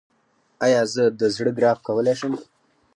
ایا زه د زړه ګراف کولی شم؟